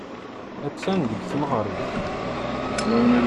Attan deg tneɣrit.